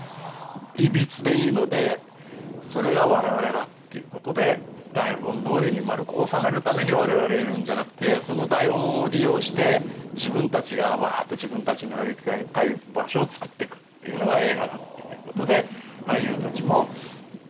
いびつでいいのでそれが我々だっていうことで台本どおりに丸く収めるために我々いるんじゃなくてその台本を利用して自分たちがワーッて自分たちのやりたい場所を作ってくっていうのが映画だっていうことで俳優たちもどんどんはじけてってくれる。